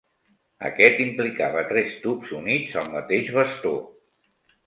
Aquest implicava tres tubs units al mateix bastó.